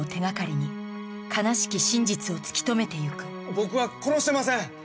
僕は殺してません！